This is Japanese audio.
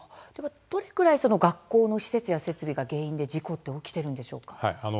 どのくらい学校の施設や設備の原因の事故は起きているんでしょうか。